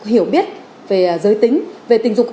hiểu biết về giới tính về tình dục